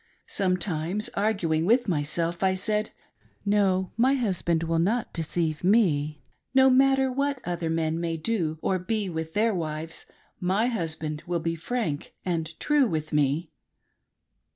Sometimes, arguing with myself, I said : No, my husband will not deceive me ; no matter what other men may do or be with their wives, my husband will be frank and true with me.